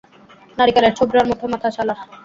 নারিকেলের ছোবড়ার মতো মাথা শালার!